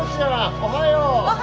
おはよう。